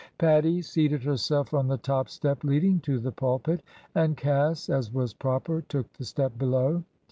Pattie seated herself on the top step leading to the pul pit, and Cass— as was proper— took the step below.